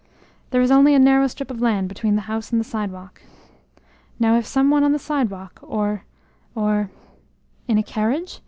There is only a narrow strip of lawn between the house and the sidewalk. Now, if some one on the sidewalk, or or " "In a carriage?"